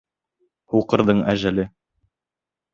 ҺУҠЫРҘЫҢ ӘЖӘЛЕ